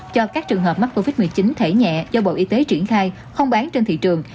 cho các trường hợp mắc covid một mươi chín thẻ nhẹ do bộ y tế triển khai không bán trên thị trường